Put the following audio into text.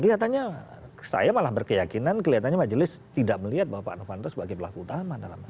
kelihatannya saya malah berkeyakinan kelihatannya majelis tidak melihat pak novanto sebagai pelaku utama